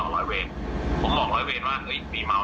ผมก็เลยเอาคลิปให้ดู